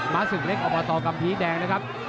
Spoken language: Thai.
มาสึกเล็กอบอตอกรรมพีดแดงนะครับ